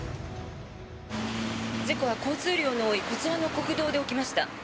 事故は交通量の多いこちらの国道で起きました。